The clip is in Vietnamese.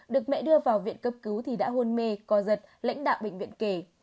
được mẹ đưa vào viện cấp cứu thì đã hôn mê co giật lãnh đạo bệnh viện kể